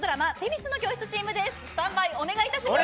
スタンバイお願いします。